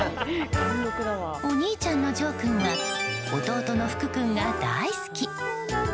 お兄ちゃんのじょう君は弟のふく君が大好き！